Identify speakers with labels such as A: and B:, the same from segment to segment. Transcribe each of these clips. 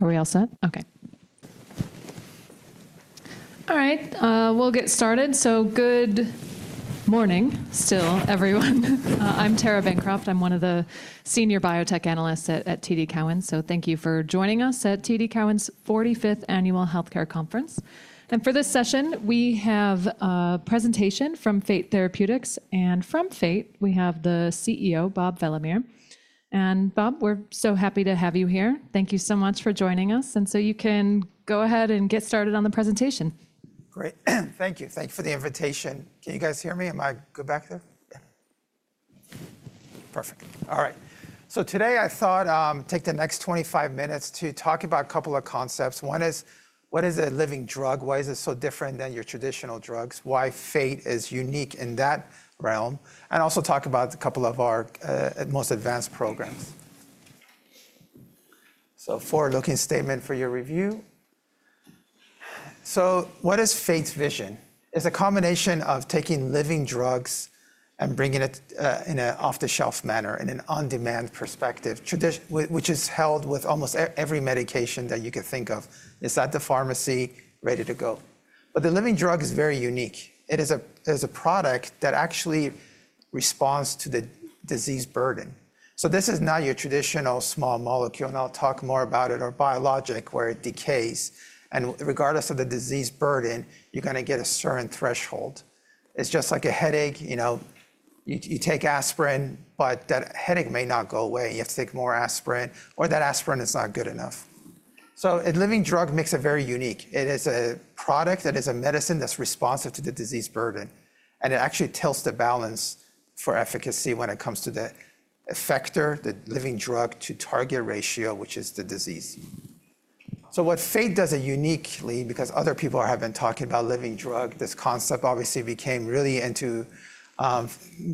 A: All right, we'll get started. Good morning still, everyone. I'm Tara Bancroft. I'm one of the Senior Biotech Analysts at TD Cowen. Thank you for joining us at TD Cowen's 45th Annual Healthcare Conference. For this session, we have a presentation from Fate Therapeutics. From Fate, we have the CEO, Bob Valamehr. Bob, we're so happy to have you here. Thank you so much for joining us. You can go ahead and get started on the presentation.
B: Great. Thank you. Thank you for the invitation. Can you guys hear me? Am I good back there? Perfect. All right. Today I thought I'd take the next 25 minutes to talk about a couple of concepts. One is, what is a living drug? Why is it so different than your traditional drugs? Why Fate is unique in that realm? I will also talk about a couple of our most advanced programs. Forward-looking statement for your review. What is Fate's vision? It's a combination of taking living drugs and bringing it in an off-the-shelf manner, in an on-demand perspective, which is held with almost every medication that you can think of. It's at the pharmacy, ready to go. The living drug is very unique. It is a product that actually responds to the disease burden. This is not your traditional small molecule. I'll talk more about it, or biologic, where it decays. Regardless of the disease burden, you're going to get a certain threshold. It's just like a headache. You take aspirin, but that headache may not go away. You have to take more aspirin, or that aspirin is not good enough. A living drug makes it very unique. It is a product that is a medicine that's responsive to the disease burden. It actually tilts the balance for efficacy when it comes to the effector, the living drug to target ratio, which is the disease. What Fate does uniquely, because other people have been talking about living drug, this concept obviously became really into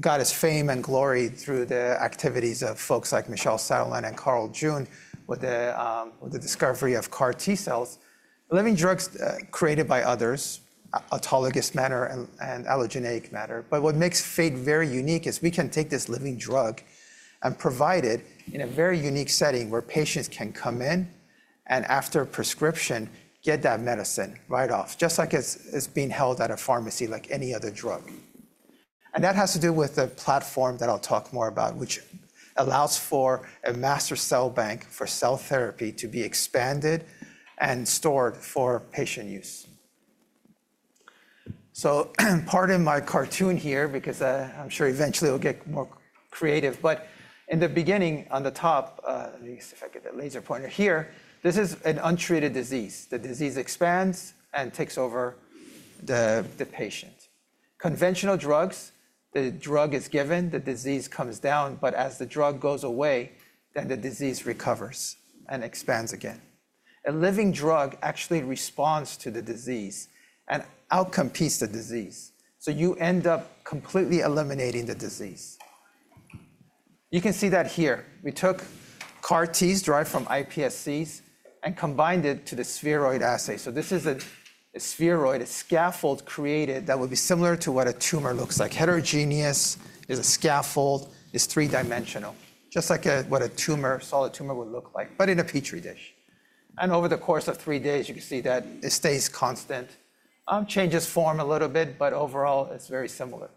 B: got its fame and glory through the activities of folks like Michel Sadelain and Carl June with the discovery of CAR-T cells. Living drugs created by others, autologous matter and allogeneic matter. What makes Fate very unique is we can take this living drug and provide it in a very unique setting where patients can come in and, after prescription, get that medicine right off, just like it's being held at a pharmacy, like any other drug. That has to do with the platform that I'll talk more about, which allows for a master cell bank for cell therapy to be expanded and stored for patient use. Pardon my cartoon here, because I'm sure eventually it'll get more creative. In the beginning, on the top, let me see if I get the laser pointer here. This is an untreated disease. The disease expands and takes over the patient. Conventional drugs, the drug is given, the disease comes down. As the drug goes away, then the disease recovers and expands again. A living drug actually responds to the disease and outcome peaks the disease. You end up completely eliminating the disease. You can see that here. We took CAR Ts, derived from iPSCs, and combined it to the spheroid assay. This is a spheroid, a scaffold created that would be similar to what a tumor looks like. Heterogeneous is a scaffold. It is three-dimensional, just like what a tumor, solid tumor, would look like, but in a Petri dish. Over the course of three days, you can see that it stays constant. Changes form a little bit, but overall, it is very similar.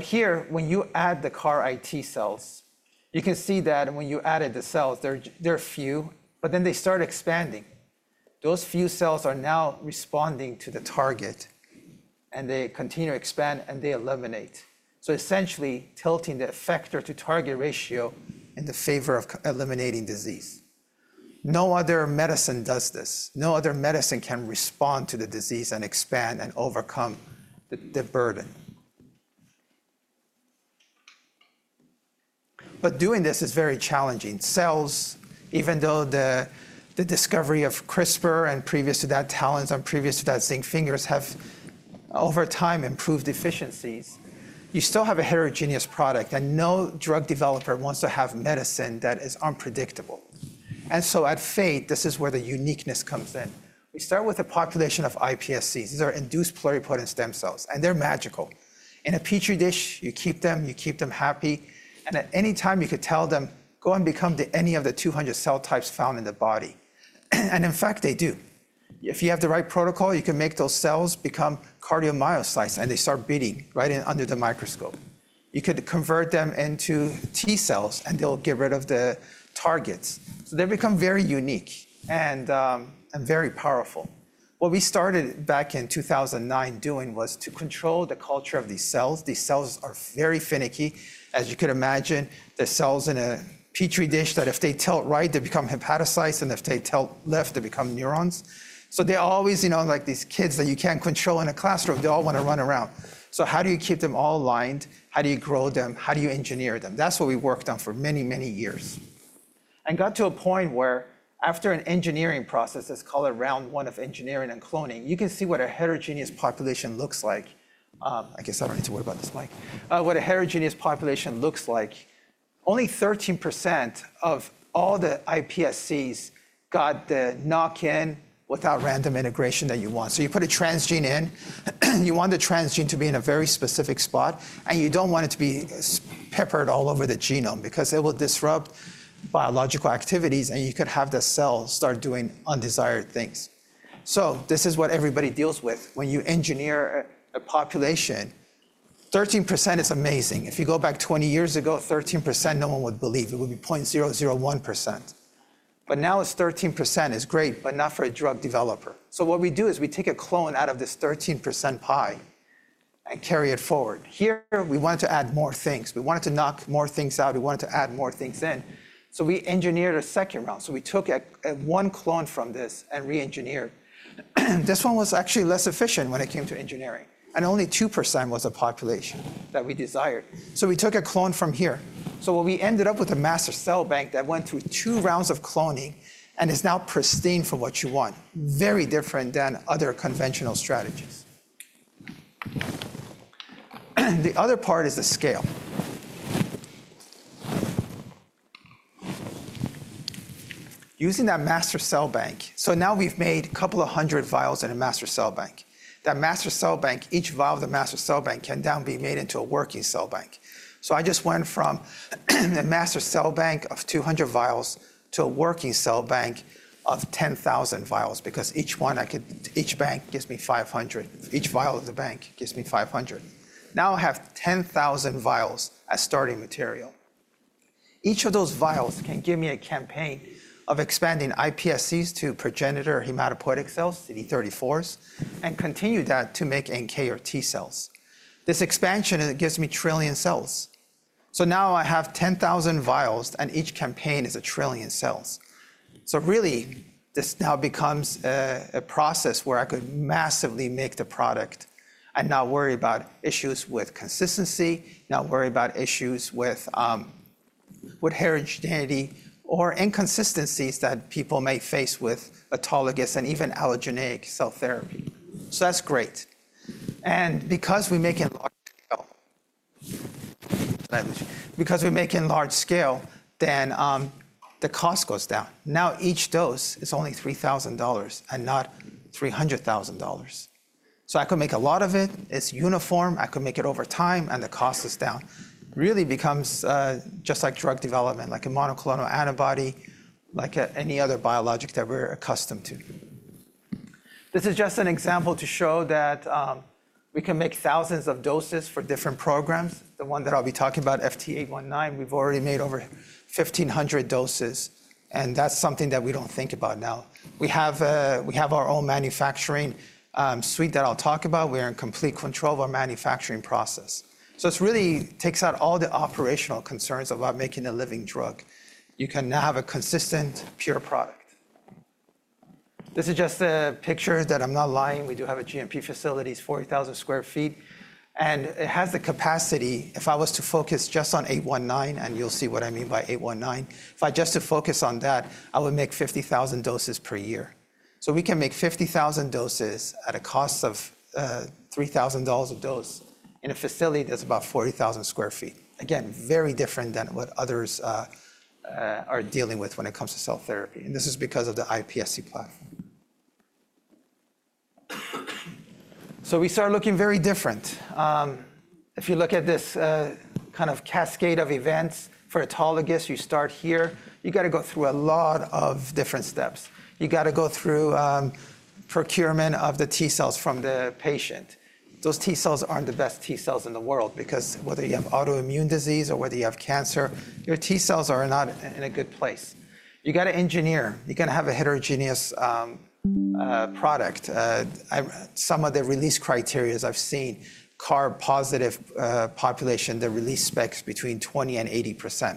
B: Here, when you add the CAR-T cells, you can see that when you added the cells, they are few, but then they start expanding. Those few cells are now responding to the target. They continue to expand, and they eliminate. Essentially, tilting the effector to target ratio in the favor of eliminating disease. No other medicine does this. No other medicine can respond to the disease and expand and overcome the burden. Doing this is very challenging. Cells, even though the discovery of CRISPR and previous to that, TALENs, and previous to that, zinc fingers have over time improved efficiencies, you still have a heterogeneous product. No drug developer wants to have medicine that is unpredictable. At Fate, this is where the uniqueness comes in. We start with a population of iPSCs. These are induced pluripotent stem cells. They are magical. In a Petri dish, you keep them. You keep them happy. At any time, you could tell them, go and become any of the 200 cell types found in the body. In fact, they do. If you have the right protocol, you can make those cells become cardiomyocytes. They start beating right under the microscope. You could convert them into T cells, and they'll get rid of the targets. They become very unique and very powerful. What we started back in 2009 doing was to control the culture of these cells. These cells are very finicky. As you could imagine, the cells in a Petri dish, that if they tilt right, they become hepatocytes. If they tilt left, they become neurons. They're always like these kids that you can't control in a classroom. They all want to run around. How do you keep them all aligned? How do you grow them? How do you engineer them? That's what we worked on for many, many years. Got to a point where, after an engineering process, it's called round one of engineering and cloning, you can see what a heterogeneous population looks like. I guess I don't need to worry about this mic. What a heterogeneous population looks like, only 13% of all the iPSCs got the knock-in without random integration that you want. You put a transgene in. You want the transgene to be in a very specific spot. You don't want it to be peppered all over the genome, because it will disrupt biological activities. You could have the cell start doing undesired things. This is what everybody deals with. When you engineer a population, 13% is amazing. If you go back 20 years ago, 13%, no one would believe. It would be 0.001%. Now it's 13%. It's great, but not for a drug developer. What we do is we take a clone out of this 13% pie and carry it forward. Here, we wanted to add more things. We wanted to knock more things out. We wanted to add more things in. We engineered a second round. We took one clone from this and re-engineered. This one was actually less efficient when it came to engineering. Only 2% was a population that we desired. We took a clone from here. We ended up with a master cell bank that went through two rounds of cloning and is now pristine for what you want. Very different than other conventional strategies. The other part is the scale. Using that master cell bank, now we've made a couple of hundred vials in a master cell bank. That master cell bank, each vial of the master cell bank can now be made into a working cell bank. I just went from a master cell bank of 200 vials to a working cell bank of 10,000 vials, because each bank gives me 500. Each vial of the bank gives me 500. Now I have 10,000 vials as starting material. Each of those vials can give me a campaign of expanding iPSCs to progenitor hematopoietic cells, CD34s, and continue that to make NK or T cells. This expansion gives me a trillion cells. Now I have 10,000 vials, and each campaign is a trillion cells. Really, this now becomes a process where I could massively make the product and not worry about issues with consistency, not worry about issues with heterogeneity or inconsistencies that people may face with autologous and even allogeneic cell therapy. That's great. Because we make in large scale, because we make in large scale, the cost goes down. Now each dose is only $3,000 and not $300,000. I could make a lot of it. It's uniform. I could make it over time, and the cost is down. Really becomes just like drug development, like a monoclonal antibody, like any other biologic that we're accustomed to. This is just an example to show that we can make thousands of doses for different programs. The one that I'll be talking about, FT819, we've already made over 1,500 doses. That's something that we don't think about now. We have our own manufacturing suite that I'll talk about. We are in complete control of our manufacturing process. It really takes out all the operational concerns about making a living drug. You can now have a consistent, pure product. This is just a picture that I'm not lying. We do have a GMP facility. It's 40,000 sq ft. It has the capacity, if I was to focus just on 819, and you'll see what I mean by 819, if I just focus on that, I would make 50,000 doses per year. We can make 50,000 doses at a cost of $3,000 a dose in a facility that's about 40,000 sq ft. Again, very different than what others are dealing with when it comes to cell therapy. This is because of the iPSC platform. We start looking very different. If you look at this kind of cascade of events for autologous, you start here. You've got to go through a lot of different steps. You've got to go through procurement of the T cells from the patient. Those T cells aren't the best T cells in the world, because whether you have autoimmune disease or whether you have cancer, your T cells are not in a good place. You've got to engineer. You've got to have a heterogeneous product. Some of the release criteria I've seen, CAR-positive population, the release specs between 20%-80%.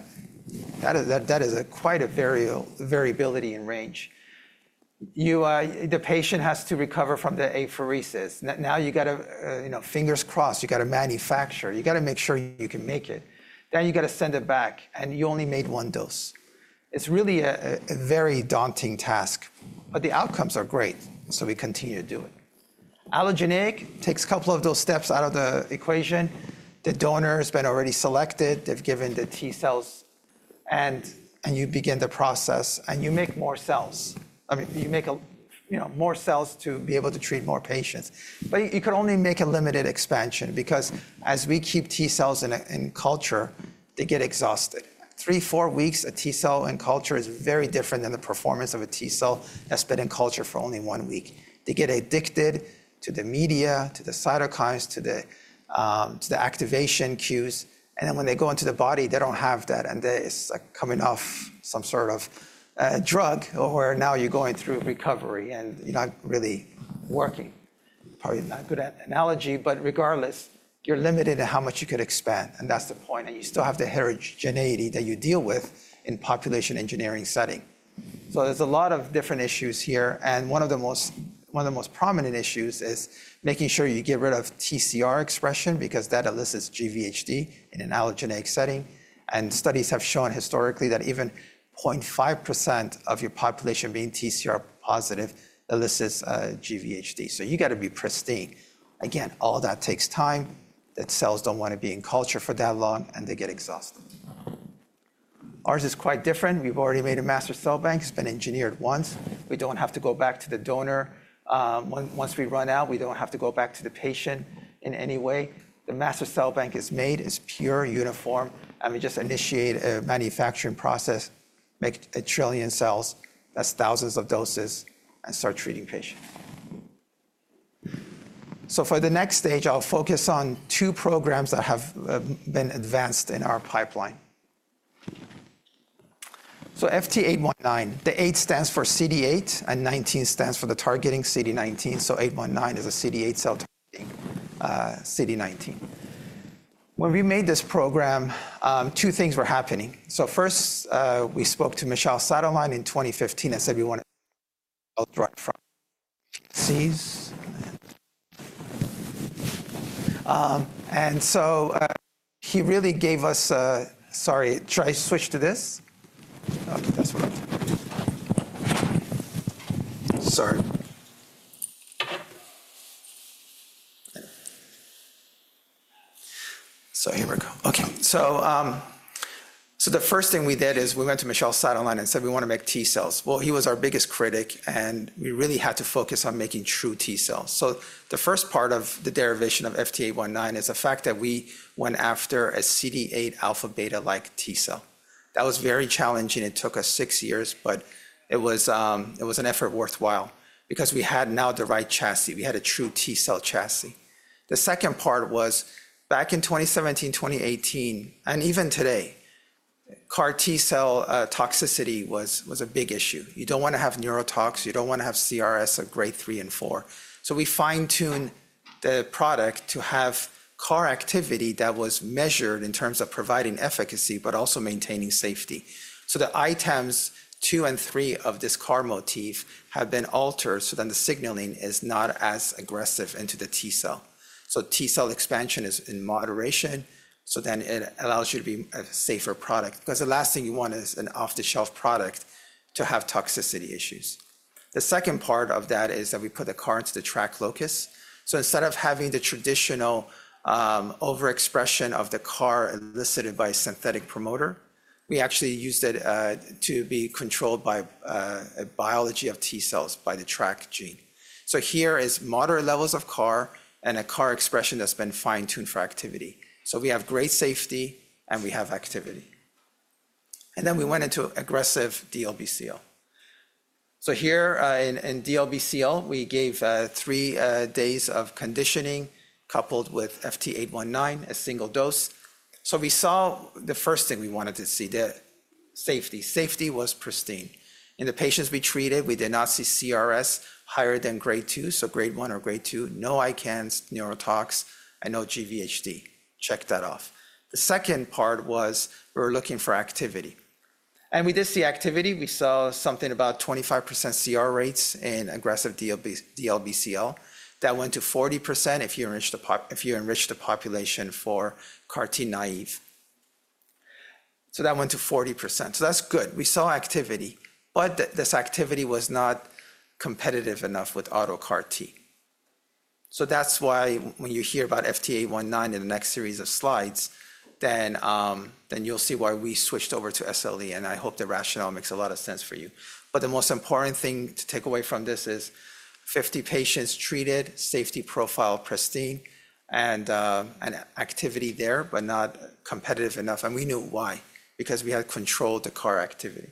B: That is quite a variability in range. The patient has to recover from the apheresis. Now you've got to, fingers crossed, you've got to manufacture. You've got to make sure you can make it. You've got to send it back. You only made one dose. It is really a very daunting task. The outcomes are great. We continue to do it. Allogeneic takes a couple of those steps out of the equation. The donor has been already selected. They've given the T cells. You begin the process. You make more cells. You make more cells to be able to treat more patients. You could only make a limited expansion, because as we keep T cells in culture, they get exhausted. Three, four weeks, a T cell in culture is very different than the performance of a T cell that's been in culture for only one week. They get addicted to the media, to the cytokines, to the activation cues. When they go into the body, they don't have that. It's like coming off some sort of drug, where now you're going through recovery. You're not really working. Probably not a good analogy. Regardless, you're limited in how much you could expand. That's the point. You still have the heterogeneity that you deal with in population engineering setting. There are a lot of different issues here. One of the most prominent issues is making sure you get rid of TCR expression, because that elicits GVHD in an allogeneic setting. Studies have shown historically that even 0.5% of your population being TCR positive elicits GVHD. You have to be pristine. All that takes time. The cells do not want to be in culture for that long. They get exhausted. Ours is quite different. We have already made a master cell bank. It has been engineered once. We do not have to go back to the donor. Once we run out, we do not have to go back to the patient in any way. The master cell bank is made. It is pure, uniform. We just initiate a manufacturing process, make a trillion cells. That is thousands of doses. Start treating patients. For the next stage, I'll focus on two programs that have been advanced in our pipeline. FT819, the 8 stands for CD8. Nineteen stands for the targeting CD19. 819 is a CD8 cell targeting CD19. When we made this program, two things were happening. First, we spoke to Michel Sadelain in 2015 and said we wanted to develop drugs for iPSCs. He really gave us, sorry, should I switch to this? Okay, that's what I'm doing. Sorry. Here we go. The first thing we did is we went to Michel Sadelain and said we want to make T cells. He was our biggest critic. We really had to focus on making true T cells. The first part of the derivation of FT819 is the fact that we went after a CD8 alpha beta-like T cell. That was very challenging. It took us six years. It was an effort worthwhile, because we had now the right chassis. We had a true T cell chassis. The second part was back in 2017, 2018, and even today, CAR-T cell toxicity was a big issue. You do not want to have neurotox. You do not want to have CRS of grade three and four. We fine-tuned the product to have CAR activity that was measured in terms of providing efficacy, but also maintaining safety. The items two and three of this CAR motif have been altered so the signaling is not as aggressive into the T cell. T cell expansion is in moderation. It allows you to be a safer product, because the last thing you want is an off-the-shelf product to have toxicity issues. The second part of that is that we put the CAR into the TRAC locus. Instead of having the traditional overexpression of the CAR elicited by a synthetic promoter, we actually used it to be controlled by a biology of T cells by the TRAC gene. Here is moderate levels of CAR and a CAR expression that's been fine-tuned for activity. We have great safety. We have activity. We went into aggressive DLBCL. Here in DLBCL, we gave three days of conditioning coupled with FT819, a single dose. We saw the first thing we wanted to see, the safety. Safety was pristine. In the patients we treated, we did not see CRS higher than grade two, so grade one or grade two, no ICANS, neurotox, and no GVHD. Check that off. The second part was we were looking for activity. We did see activity. We saw something about 25% CR rates in aggressive DLBCL. That went to 40% if you enrich the population for CAR T-naïve. That went to 40%. That is good. We saw activity. This activity was not competitive enough with auto CAR T. When you hear about FT819 in the next series of slides, you will see why we switched over to SLE. I hope the rationale makes a lot of sense for you. The most important thing to take away from this is 50 patients treated, safety profile pristine, and activity there, but not competitive enough. We knew why, because we had controlled the CAR activity.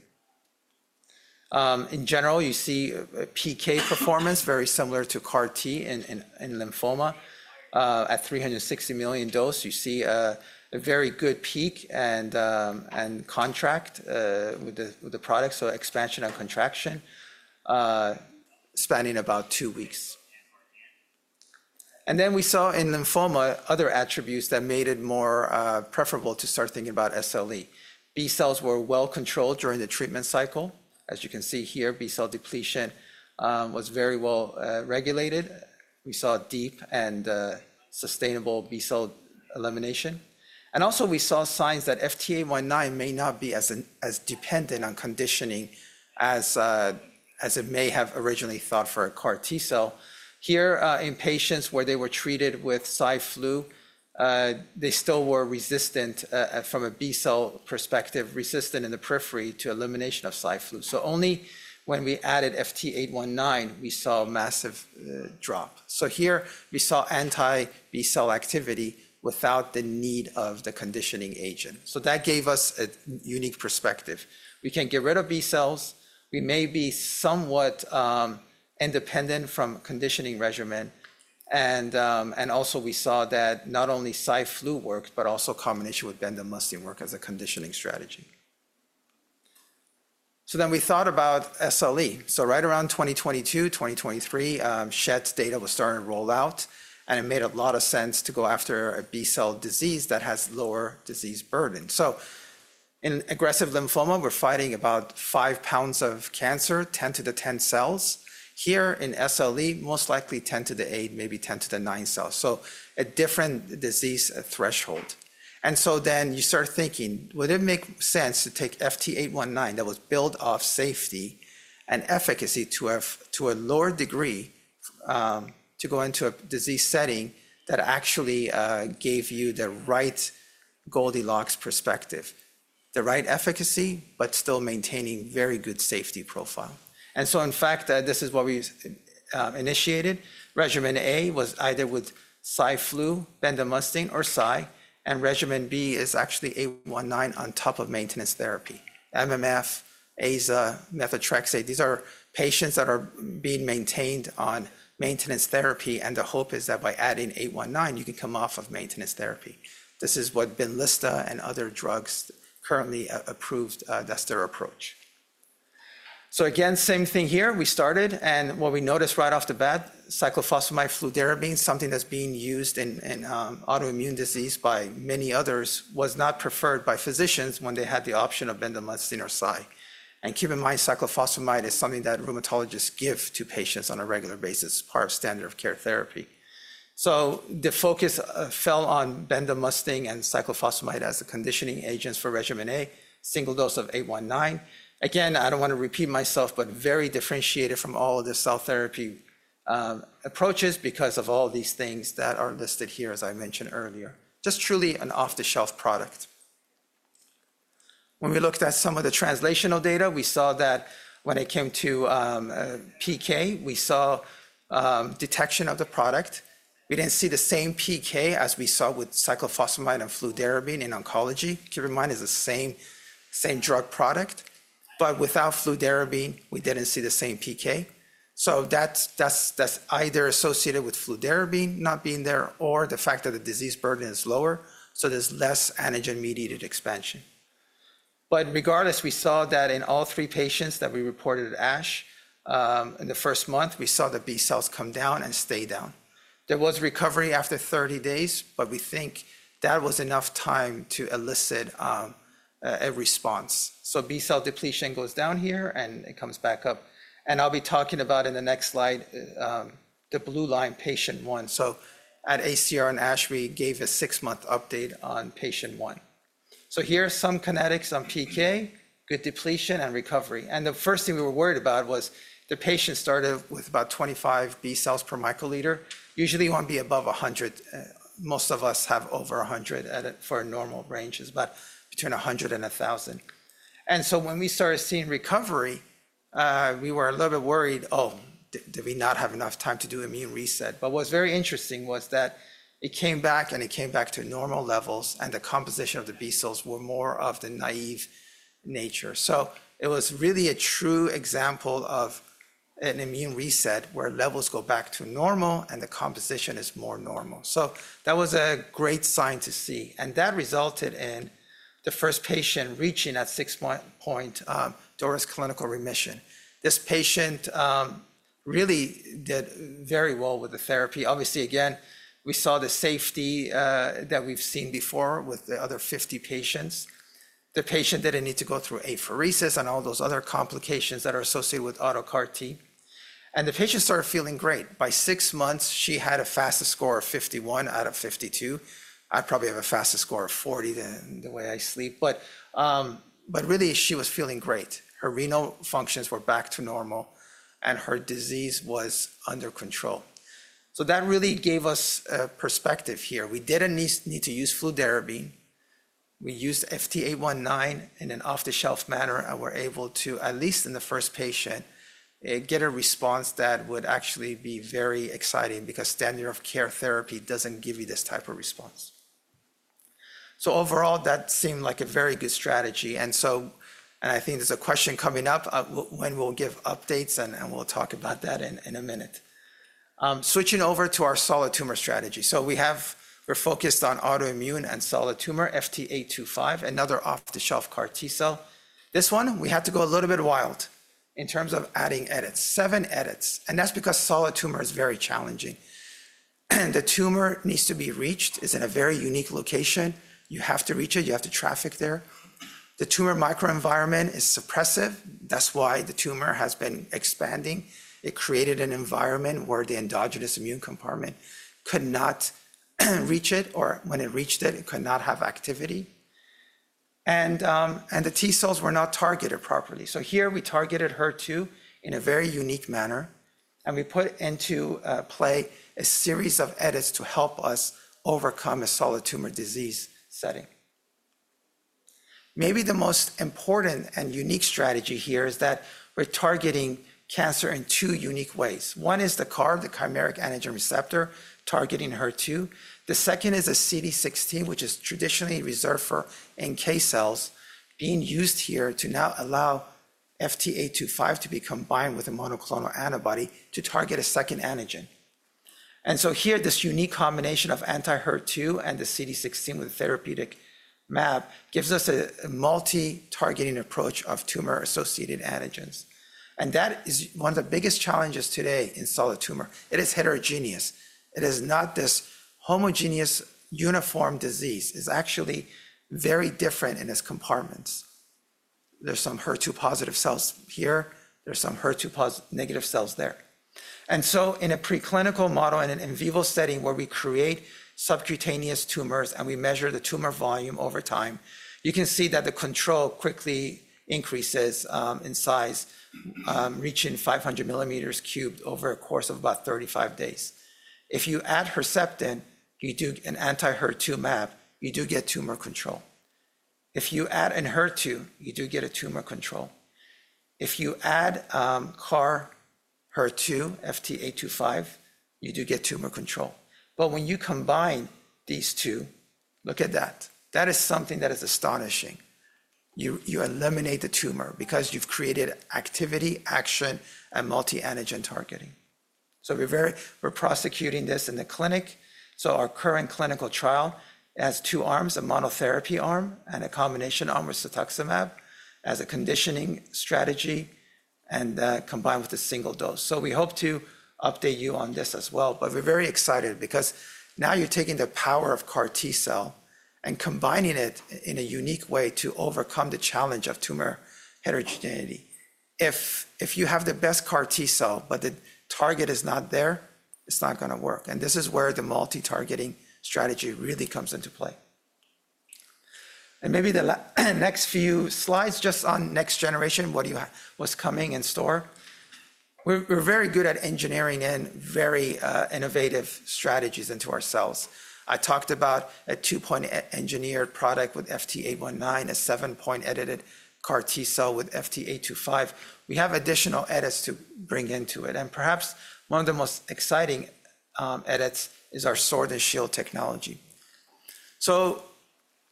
B: In general, you see PK performance very similar to CAR T in lymphoma. At 360 million dose, you see a very good peak and contract with the product. Expansion and contraction spanning about two weeks. We saw in lymphoma other attributes that made it more preferable to start thinking about SLE. B cells were well controlled during the treatment cycle. As you can see here, B cell depletion was very well regulated. We saw deep and sustainable B cell elimination. Also, we saw signs that FT819 may not be as dependent on conditioning as it may have originally thought for a CAR-T cell. Here, in patients where they were treated with Cy/Flu, they still were resistant from a B cell perspective, resistant in the periphery to elimination of Cy/Flu. Only when we added FT819, we saw a massive drop. Here, we saw anti-B cell activity without the need of the conditioning agent. That gave us a unique perspective. We can get rid of B cells. We may be somewhat independent from conditioning regimen. Also, we saw that not only Cy/Flu worked, but also combination with bendamustine worked as a conditioning strategy. We thought about SLE. Right around 2022, 2023, Schett data was starting to roll out. It made a lot of sense to go after a B cell disease that has lower disease burden. In aggressive lymphoma, we're fighting about 5 pounds of cancer, 10 to the 10 cells. Here in SLE, most likely 10 to the 8, maybe 10 to the 9 cells. A different disease threshold. You start thinking, would it make sense to take FT819 that was built off safety and efficacy to a lower degree to go into a disease setting that actually gave you the right Goldilocks perspective, the right efficacy, but still maintaining very good safety profile? In fact, this is what we initiated. Regimen A was either with cyclophosphamide, fludarabine, bendamustine, or cyclophosphamide. Regimen B is actually 819 on top of maintenance therapy, MMF, AZA, methotrexate. These are patients that are being maintained on maintenance therapy. The hope is that by adding 819, you can come off of maintenance therapy. This is what Benlysta and other drugs currently approved, that's their approach. Again, same thing here. We started. What we noticed right off the bat, cyclophosphamide, fludarabine, something that's being used in autoimmune disease by many others, was not preferred by physicians when they had the option of bendamustine or cyclophosphamide. Keep in mind, cyclophosphamide is something that rheumatologists give to patients on a regular basis, part of standard of care therapy. The focus fell on bendamustine and cyclophosphamide as the conditioning agents for regimen A, single dose of 819. Again, I do not want to repeat myself, but very differentiated from all of the cell therapy approaches because of all these things that are listed here, as I mentioned earlier. Just truly an off-the-shelf product. When we looked at some of the translational data, we saw that when it came to PK, we saw detection of the product. We did not see the same PK as we saw with cyclophosphamide and fludarabine in oncology. Keep in mind, it is the same drug product. Without fludarabine, we did not see the same PK. That is either associated with fludarabine not being there or the fact that the disease burden is lower. There is less antigen-mediated expansion. Regardless, we saw that in all three patients that we reported at ASH in the first month, we saw the B cells come down and stay down. There was recovery after 30 days. We think that was enough time to elicit a response. B cell depletion goes down here, and it comes back up. I'll be talking about in the next slide the blue line patient one. At ACR and ASH, we gave a six-month update on patient one. Here are some kinetics on PK, good depletion, and recovery. The first thing we were worried about was the patient started with about 25 B cells per microliter. Usually, you want to be above 100. Most of us have over 100 for normal ranges, but between 100 and 1,000. When we started seeing recovery, we were a little bit worried, oh, did we not have enough time to do immune reset? What was very interesting was that it came back. It came back to normal levels. The composition of the B cells were more of the naive nature. It was really a true example of an immune reset where levels go back to normal. The composition is more normal. That was a great sign to see. That resulted in the first patient reaching at six-month point, DORIS clinical remission. This patient really did very well with the therapy. Obviously, again, we saw the safety that we've seen before with the other 50 patients. The patient did not need to go through apheresis and all those other complications that are associated with auto CAR-T. The patient started feeling great. By six months, she had a FACIT score of 51 out of 52. I probably have a FACIT score of 40, the way I sleep. Really, she was feeling great. Her renal functions were back to normal. Her disease was under control. That really gave us a perspective here. We did not need to use fludarabine. We used FT819 in an off-the-shelf manner. We were able to, at least in the first patient, get a response that would actually be very exciting, because standard of care therapy does not give you this type of response. Overall, that seemed like a very good strategy. I think there is a question coming up when we will give updates. We will talk about that in a minute. Switching over to our solid tumor strategy. We are focused on autoimmune and solid tumor, FT825, another off-the-shelf CAR-T cell. This one, we had to go a little bit wild in terms of adding edits, seven edits. That is because solid tumor is very challenging. The tumor needs to be reached. It is in a very unique location. You have to reach it. You have to traffic there. The tumor microenvironment is suppressive. That is why the tumor has been expanding. It created an environment where the endogenous immune compartment could not reach it. Or when it reached it, it could not have activity. The T cells were not targeted properly. Here, we targeted HER2 in a very unique manner. We put into play a series of edits to help us overcome a solid tumor disease setting. Maybe the most important and unique strategy here is that we are targeting cancer in two unique ways. One is the CAR, the chimeric antigen receptor, targeting HER2. The second is a CD16, which is traditionally reserved for NK cells, being used here to now allow FT825 to be combined with a monoclonal antibody to target a second antigen. This unique combination of anti-HER2 and the CD16 with the therapeutic mAB gives us a multi-targeting approach of tumor-associated antigens. That is one of the biggest challenges today in solid tumor. It is heterogeneous. It is not this homogeneous, uniform disease. It is actually very different in its compartments. There are some HER2 positive cells here. There are some HER2 negative cells there. In a preclinical model and an in vivo setting where we create subcutaneous tumors and we measure the tumor volume over time, you can see that the control quickly increases in size, reaching 500 millimeters cubed over a course of about 35 days. If you add Herceptin, you do an anti-HER2 mAB, you do get tumor control. If you add an HER2, you do get a tumor control. If you add CAR HER2, FT825, you do get tumor control. When you combine these two, look at that. That is something that is astonishing. You eliminate the tumor because you've created activity, action, and multi-antigen targeting. We are prosecuting this in the clinic. Our current clinical trial has two arms, a monotherapy arm and a combination arm with cetuximab as a conditioning strategy and combined with a single dose. We hope to update you on this as well. We are very excited because now you're taking the power of CAR T cell and combining it in a unique way to overcome the challenge of tumor heterogeneity. If you have the best CAR-T cell, but the target is not there, it's not going to work. This is where the multi-targeting strategy really comes into play. Maybe the next few slides just on next generation, what was coming in store. We're very good at engineering in very innovative strategies into our cells. I talked about a two-point engineered product with FT819, a seven-point edited CAR-T cell with FT825. We have additional edits to bring into it. Perhaps one of the most exciting edits is our sword and shield technology.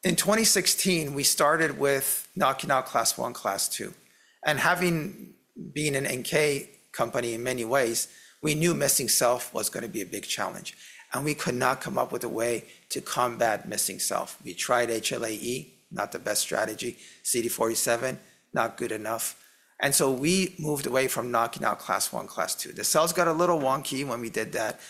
B: In 2016, we started with knocking out class I, class II. Having been an NK company in many ways, we knew missing self was going to be a big challenge. We could not come up with a way to combat missing self. We tried HLA-E, not the best strategy, CD47, not good enough. We moved away from knocking out class I, class II. The cells got a little wonky when we did that.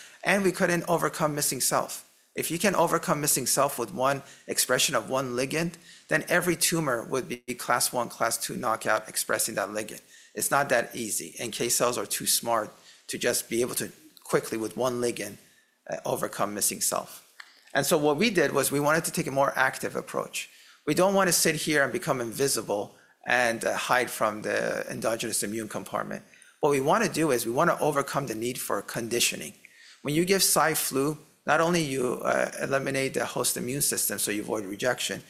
B: We could not overcome missing self. If you can overcome missing self with one expression of one ligand, then every tumor would be class I, class II knockout expressing that ligand. It is not that easy. NK cells are too smart to just be able to quickly, with one ligand, overcome missing self. What we did was we wanted to take a more active approach. We do not want to sit here and become invisible and hide from the endogenous immune compartment. What we want to do is we want to overcome the need for conditioning. When you give Cy/Flu, not only do you eliminate the host immune system so you avoid rejection,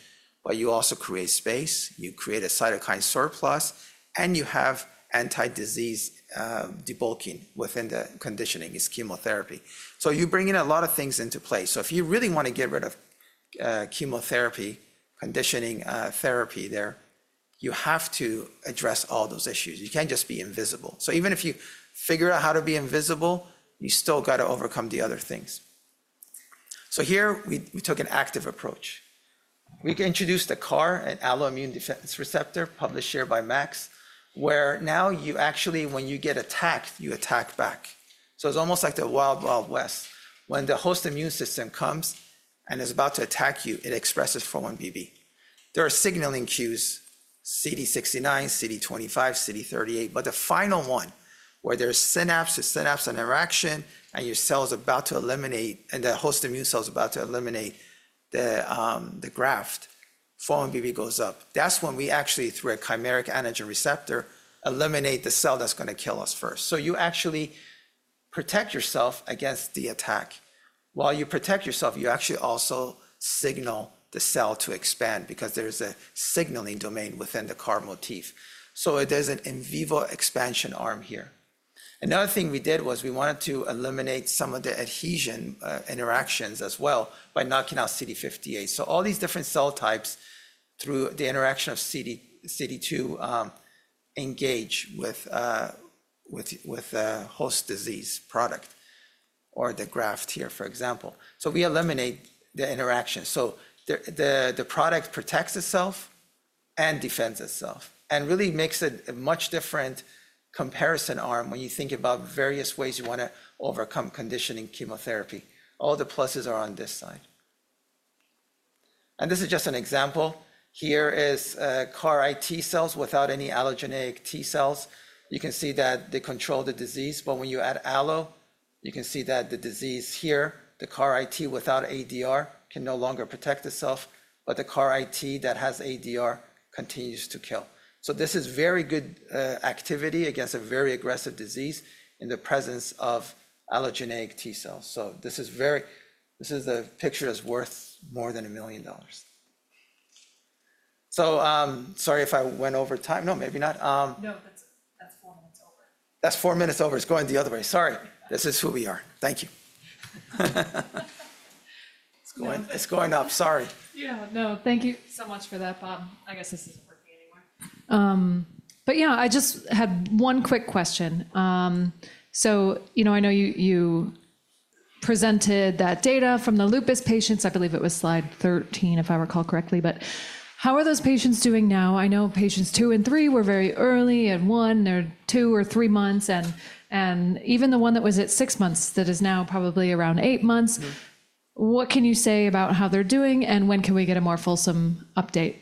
B: but you also create space. You create a cytokine surplus. And you have anti-disease debulking within the conditioning. It is chemotherapy. You bring in a lot of things into play. If you really want to get rid of chemotherapy, conditioning therapy there, you have to address all those issues. You cannot just be invisible. Even if you figure out how to be invisible, you still got to overcome the other things. Here, we took an active approach. We introduced the CAR, an autoimmune defense receptor published here by Max, where now you actually, when you get attacked, you attack back. It is almost like the Wild Wild West. When the host immune system comes and is about to attack you, it expresses 4-1BB. There are signaling cues, CD69, CD25, CD38. The final one where there is synapse to synapse interaction and your cell is about to eliminate and the host immune cell is about to eliminate the graft, 41BB goes up. That is when we actually, through a chimeric antigen receptor, eliminate the cell that is going to kill us first. You actually protect yourself against the attack. While you protect yourself, you actually also signal the cell to expand because there is a signaling domain within the CAR motif. It is an in vivo expansion arm here. Another thing we did was we wanted to eliminate some of the adhesion interactions as well by knocking out CD58. All these different cell types, through the interaction of CD2, engage with a host disease product or the graft here, for example. We eliminate the interaction. The product protects itself and defends itself and really makes it a much different comparison arm when you think about various ways you want to overcome conditioning chemotherapy. All the pluses are on this side. This is just an example. Here is CAR-T cells without any allogeneic T cells. You can see that they control the disease. When you add allo, you can see that the disease here, the CAR-T without ADR, can no longer protect itself. The CAR-T that has ADR continues to kill. This is very good activity against a very aggressive disease in the presence of allogeneic T cells. This is a picture that's worth more than a million dollars. Sorry if I went over time.
A: No. That's four minutes over.
B: That's four minutes over. It's going the other way. Sorry. This is who we are. Thank you. It's going up. Sorry.
A: Yeah. No, thank you so much for that, Bob. I guess this isn't working anymore. Yeah, I just had one quick question. I know you presented that data from the lupus patients. I believe it was slide 13, if I recall correctly. How are those patients doing now? I know patients two and three were very early. One or two or three months. Even the one that was at six months that is now probably around eight months, what can you say about how they're doing? When can we get a more fulsome update?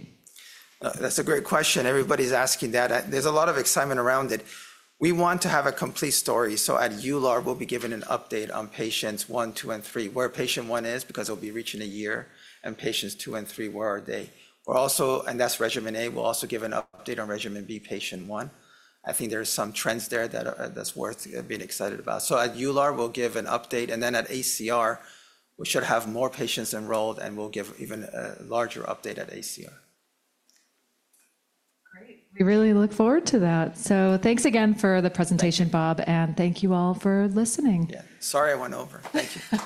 B: That's a great question. Everybody's asking that. There's a lot of excitement around it. We want to have a complete story. At EULAR, we'll be giving an update on patients one, two, and three, where patient one is because it'll be reaching a year. And patients two and three, where are they? That's regimen A. We'll also give an update on regimen B, patient one. I think there are some trends there that's worth being excited about. At EULAR, we'll give an update. At ACR, we should have more patients enrolled. We'll give even a larger update at ACR.
A: Great. We really look forward to that. Thanks again for the presentation, Bob. Thank you all for listening.
B: Sorry I went over. Thank you.